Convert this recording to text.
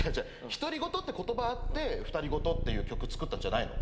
独り言って言葉あって『ふたりごと』っていう曲作ったんじゃないの？